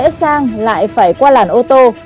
xe tăng lại phải qua làn ô tô